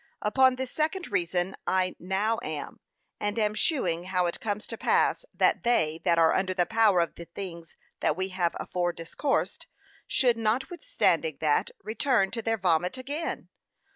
Upon this second reason I now am, and am shewing how it comes to pass that they that are under the power of the things that we have afore discoursed, should notwithstanding that, return to their vomit again.